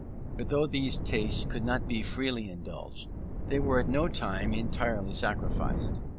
But though these tastes could not be freely indulged, they were at no time entirely sacrificed.